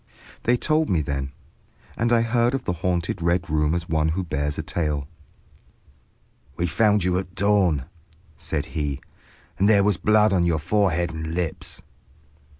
They told me then, and I heard of the haunted Red Room as one who hears a tale. "We found you at dawn," said he, "and there was blood on your forehead and lips."